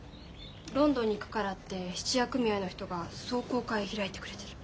ロンドンに行くからって質屋組合の人が壮行会開いてくれてる。